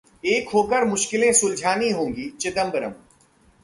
एक होकर मुश्किलें सुलझानी होंगी: चिदंबरम